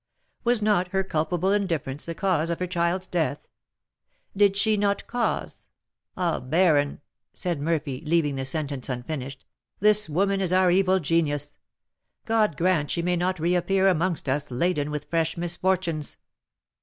Was not her culpable indifference the cause of her child's death? Did she not cause Ah, baron," said Murphy, leaving the sentence unfinished, "this woman is our evil genius. God grant she may not reappear amongst us laden with fresh misfortunes!"